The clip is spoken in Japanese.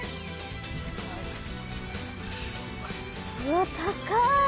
うわっ高い！